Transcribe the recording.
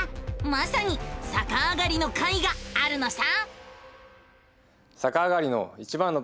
まさにさかあがりの回があるのさ！